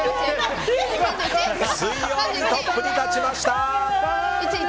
水曜日、トップに立ちました！